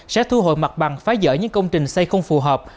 sẽ thu hồi mặt bằng phá dỡ những công trình xây không phù hợp